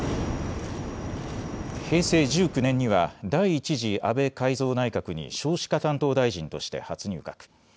平成１９年には第１次安倍改造内閣に少子化担当大臣として初入閣。